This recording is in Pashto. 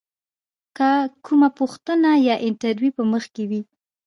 که کومه پوښتنه یا انتریو په مخ کې وي.